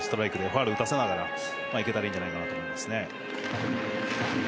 ファウルを打たせながらいけたらいいんじゃないかと思います。